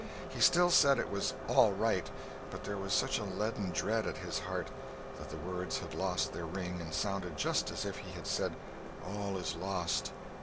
He still said it was "all right," but there was such a leaden dread at his heart that the words had lost their ring and sounded just as if he had said, "All is lost!"